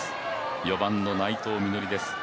４番の内藤実穂です。